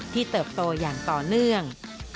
เติบโตอย่างต่อเนื่อง